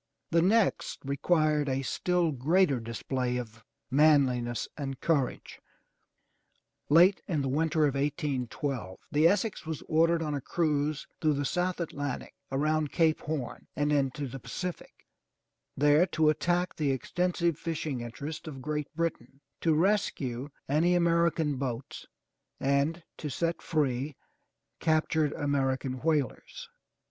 The next required a still greater display of manliness and courage. 355 MY BOOK HOUSE Late in the winter of 1812 the Essex was ordered on a cruise through the South Atlantic around Cape Horn and into the Pacific, there to attack the extensive fishing interests of Great Britain, to rescue any American boats and to set free captured American whalers.